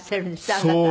あなた。